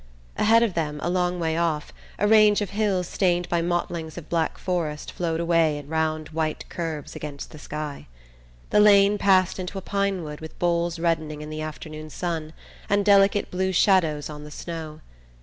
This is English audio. Ahead of them, a long way off, a range of hills stained by mottlings of black forest flowed away in round white curves against the sky. The lane passed into a pine wood with boles reddening in the afternoon sun and delicate blue shadows on the snow.